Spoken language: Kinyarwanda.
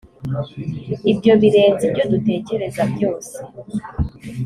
ibyo birenze ibyo dutekereza byose